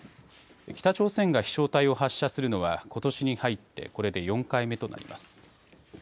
北朝鮮が飛しょう体を発射するのはことしに入ってこれで４回目となります。